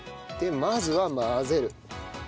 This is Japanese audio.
でまずは混ぜる。